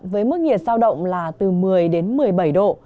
với mức nhiệt sao động là từ một mươi đến một mươi bảy độ